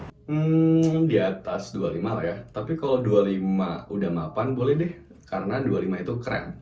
hmm di atas dua puluh lima lah ya tapi kalau dua puluh lima udah mapan boleh deh karena dua puluh lima itu keren